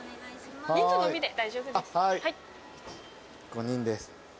５人です。